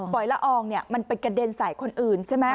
อยละอองมันไปกระเด็นใส่คนอื่นใช่ไหม